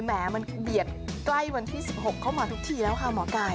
แหมมันเบียดใกล้วันที่๑๖เข้ามาทุกทีแล้วค่ะหมอไก่